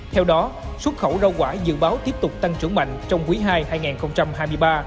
theo đó xuất khẩu rau quả dự báo tiếp tục tăng trưởng mạnh trong quý ii hai nghìn hai mươi ba